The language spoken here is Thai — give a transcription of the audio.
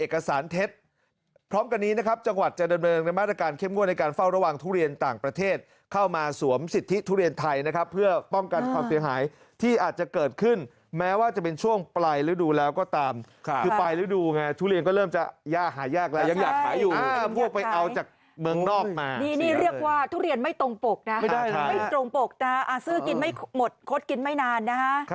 การเฝ้าระวังทุเรียนต่างประเทศเข้ามาสวมสิทธิทุเรียนไทยนะครับเพื่อป้องกันความเสียหายที่อาจจะเกิดขึ้นแม้ว่าจะเป็นช่วงปลายฤดูแล้วก็ตามค่ะคือปลายฤดูไงทุเรียนก็เริ่มจะยากหายากแล้วยังอยากหายอยู่พวกไปเอาจากเมืองนอกมานี่เรียกว่าทุเรียนไม่ตรงปกนะไม่ได้ตรงปกนะอาซื่อกินไม่หมดคดกินไม่นาน